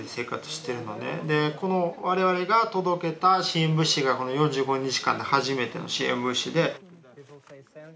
この我々が届けた支援物資がこの４５日間で初めての支援物資で。